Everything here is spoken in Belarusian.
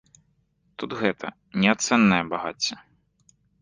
Тут гэта неацэннае багацце!